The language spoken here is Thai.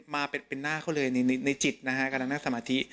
มาเป็นหน้าเขาเลยในจิตนะฮะกำลังนั่งสมาธิ